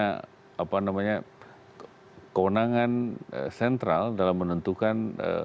kewenangan sentral dalam menentukan